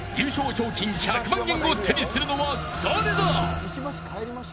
賞金１００万円を手にするのは誰だ。